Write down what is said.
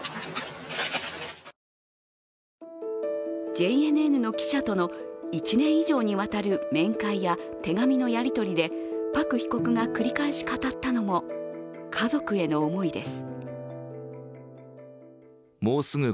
ＪＮＮの記者との１年以上にわたる面会や手紙のやり取りでパク被告が繰り返し語ったのも家族への思いです。